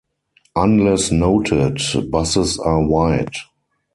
Unless noted, buses are wide.